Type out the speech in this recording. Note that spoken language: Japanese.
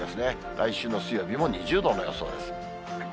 来週の水曜日も２０度の予想です。